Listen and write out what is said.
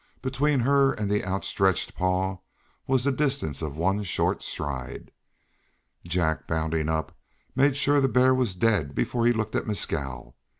Between her and the outstretched paw was the distance of one short stride. Jack, bounding up, made sure the bear was dead before he looked at Mescal.